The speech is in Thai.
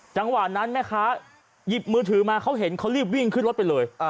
จังหวะนั้นแม่ค้าหยิบมือถือมาเขาเห็นเขารีบวิ่งขึ้นรถไปเลย